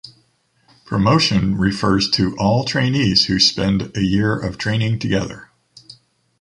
Promotion refers to all trainees who spend a year of training together.